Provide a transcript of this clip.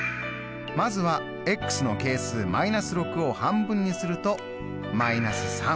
まずはの係数−６を半分にすると−３。